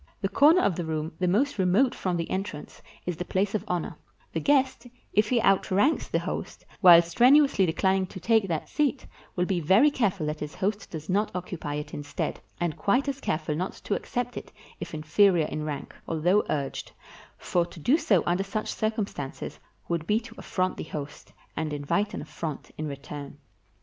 The corner of the room the most remote from the entrance is the place of honor; the guest, if he outranks the host, while strenuously decUning to take that seat, will be very careful that his host does not occupy it instead, and quite as careful not to accept it if inferior in rank, although urged, for to do so under such circum stances would be to affront the host, and invite an affront in return.